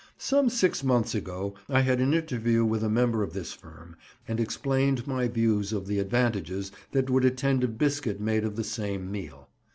Some six months ago I had an interview with a member of this firm, and explained my views of the advantages that would attend a biscuit made of the same meal.